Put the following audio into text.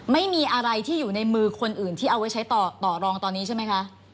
ไม่มีอะไรที่อยู่ในมือคนอื่นที่เอาไว้ใช้ต่อรองตอนนี้ใช่ไหมคะ